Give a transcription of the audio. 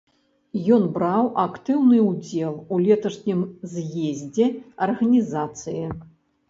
Ён браў актыўны ўдзел у леташнім з'ездзе арганізацыі.